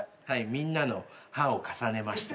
みんなの歯を重ねました。